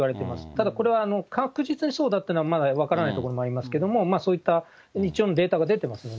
ただ、これは確実にそうだというのはまだ分からないところもありますけれども、そういった一応のデータが出てますので。